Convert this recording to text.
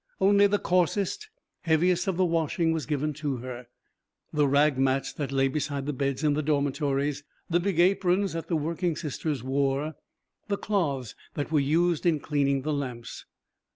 Only the coarsest, heaviest of the washing was given to her: the rag mats that lay beside the beds in the dormitories, the big aprons that the working sisters wore, the cloths that were used in cleaning the lamps.